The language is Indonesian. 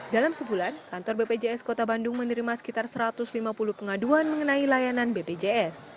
dalam sebulan kantor bpjs kota bandung menerima sekitar satu ratus lima puluh pengaduan mengenai layanan bpjs